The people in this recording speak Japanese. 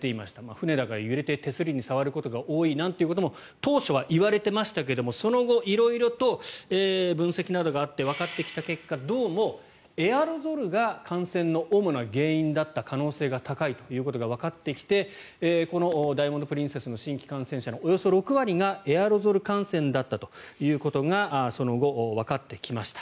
船だから揺れて手すりに触ることも多いなんてことも当初は言われていましたがその後、色々と分析などがあってわかってきた結果どうも、エアロゾルが感染の主な原因だった可能性が高いということがわかってきてこの「ダイヤモンド・プリンセス」の新規感染者のおよそ６割がエアロゾル感染だったということがその後、わかってきました。